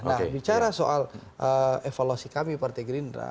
nah bicara soal evaluasi kami partai gerindra